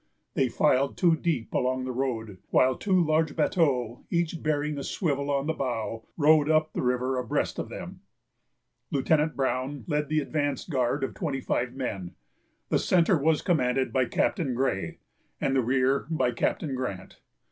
They filed two deep along the road, while two large bateaux, each bearing a swivel on the bow, rowed up the river abreast of them. Lieutenant Brown led the advance guard of twenty five men; the centre was commanded by Captain Gray, and the rear by Captain Grant.